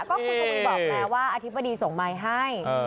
ก็คุณทวีบอกแล้วว่าอธิบดีส่งไมค์ให้